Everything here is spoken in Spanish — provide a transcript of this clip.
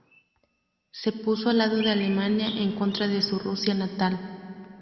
Se puso al lado de Alemania en contra de su Rusia natal.